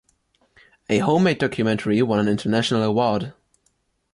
A homemade documentary won an international award.